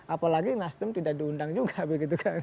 apalagi nasdem tidak diundang juga begitu kan